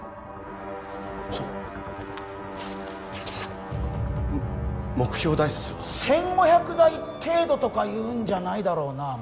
その原島さん目標台数は１５００台程度とか言うんじゃないだろうな？